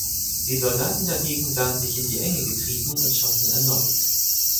Die Soldaten dagegen sahen sich in die Enge getrieben und schossen erneut.